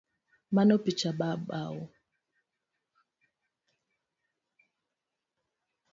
Mano picha babau?